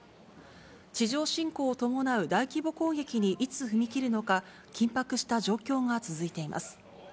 地上侵攻を伴う大規模攻撃にいつ踏み切るのか、緊迫した状況が続いています。